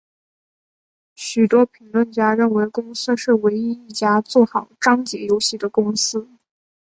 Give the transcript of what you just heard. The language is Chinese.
许多评论家认为公司是唯一一家做好章节游戏的公司。